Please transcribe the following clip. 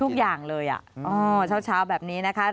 ทุกอย่างเลยเช้าแบบนี้นะคะ